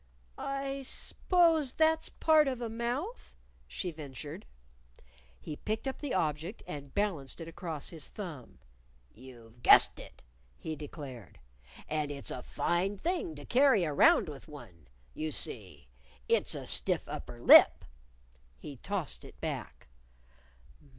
"I s'pose that's part of a mouth?" she ventured. He picked up the object and balanced it across his thumb. "You've guessed it!" he declared. "And it's a fine thing to carry around with one. You see, it's a stiff upper lip." He tossed it back.